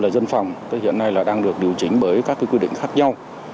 điều này đang được điều chỉnh bởi các quy định khác nhau